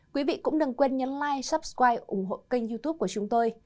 quý vị cũng đừng quên nhấn like subscribe ủng hộ kênh youtube của chúng tôi